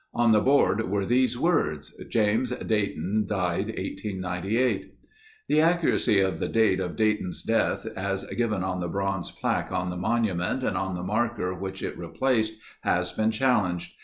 On the board were these words: "Jas. Dayton. Died 1898." The accuracy of the date of Dayton's death as given on the bronze plaque on the monument and on the marker which it replaced, has been challenged.